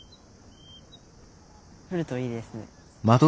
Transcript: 降るといいですね。